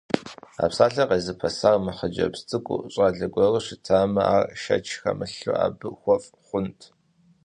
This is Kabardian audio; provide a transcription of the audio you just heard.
А псалъэр къезыпэсар мыхъыджэбз цӀыкӀуу, щӀалэ гуэру щытамэ, ар, шэч хэмылъу, абы хуэфӀ хъунт!